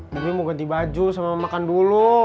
mungkin mau ganti baju sama makan dulu